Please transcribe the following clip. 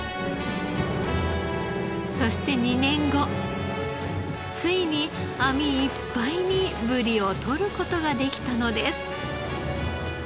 そして２年後ついに網いっぱいにブリを取る事ができたのです。